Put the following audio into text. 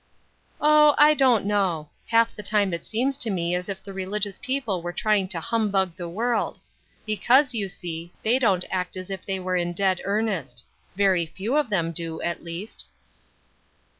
"Oh, I don't know; half the time it seems to me as if the religious people were trying to humbug the world; because, you see, they don't act as if they were in dead earnest very few of them do, at least."